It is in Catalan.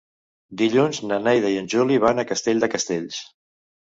Dilluns na Neida i en Juli van a Castell de Castells.